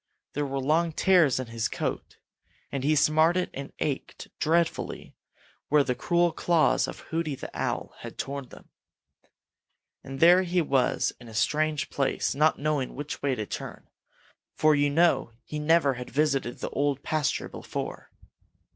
There were long tears in his coat, and he smarted and ached dreadfully where the cruel claws of Hooty the Owl had torn him. And there he was in a strange place, not knowing which way to turn, for you know he never had visited the Old Pasture before.